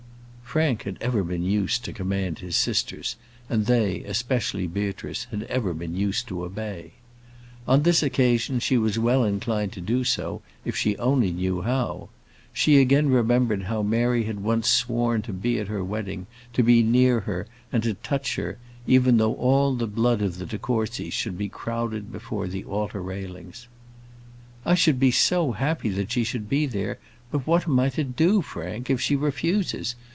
Frank had ever been used to command his sisters: and they, especially Beatrice, had ever been used to obey. On this occasion, she was well inclined to do so, if she only knew how. She again remembered how Mary had once sworn to be at her wedding, to be near her, and to touch her even though all the blood of the de Courcys should be crowded before the altar railings. "I should be so happy that she should be there; but what am I to do, Frank, if she refuses?